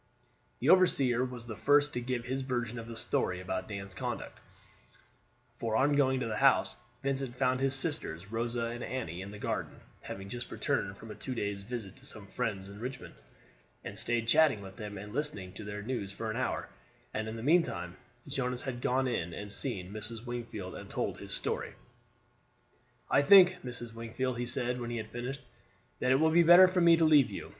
The overseer was the first to give his version of the story about Dan's conduct; for on going to the house Vincent found his sisters, Rosa and Annie, in the garden, having just returned from a two days' visit to some friends in Richmond, and stayed chatting with them and listening to their news for an hour, and in the meantime Jonas had gone in and seen Mrs. Wingfield and told his story. "I think, Mrs. Wingfield," he said when he had finished, "that it will be better for me to leave you.